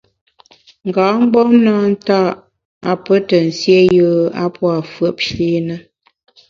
Nga mgbom na nta’ a pe te nsié yùe a pua’ fùepshi na.